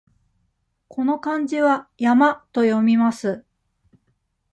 この漢字は「やま」と読みます。